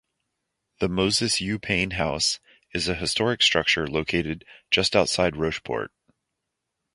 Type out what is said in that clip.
The Moses U. Payne House is a historic structured located just outside Rocheport.